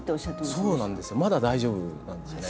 そうなんですよまだ大丈夫なんですよね。